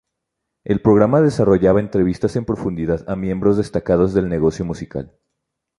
El programa desarrollaba entrevistas en profundidad a miembros destacados del negocio musical.